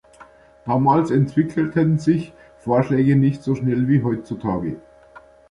Damals entwickelten sich Vorschläge nicht so schnell wie heutzutage.